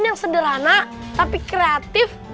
yang sederhana tapi kreatif